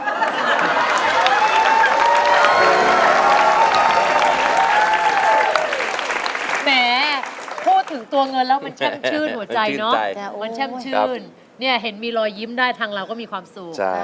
แหมพูดถึงตัวเงินแล้วมันแช่มชื่นหัวใจเนอะมันแช่มชื่นเนี่ยเห็นมีรอยยิ้มได้ทางเราก็มีความสุข